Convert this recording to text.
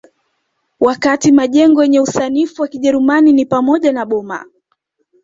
Wakati majengo yenye usanifu wa Kijerumani ni pamoja na boma